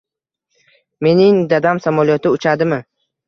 Mening dadam samolyotda uchadimi?